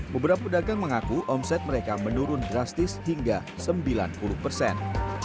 beberapa pedagang mengaku omset mereka menurun drastis hingga sembilan puluh persen